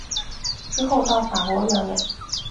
之后到法国表演。